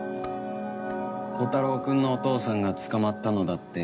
コタローくんのお父さんが捕まったのだって